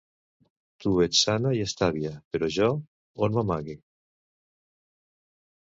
Tu ets sana i estàvia, però jo, on m'amague?